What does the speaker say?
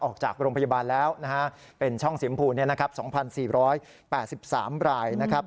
ออกจากโรงพยาบาลแล้วนะฮะเป็นช่องสิมผูนเนี่ยนะครับ๒๔๘๓รายนะครับ